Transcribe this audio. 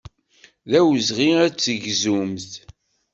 D awezɣi ad tegzumt.